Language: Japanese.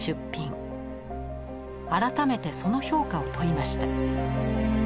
改めてその評価を問いました。